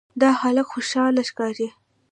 دا هلک خوشاله ښکاري.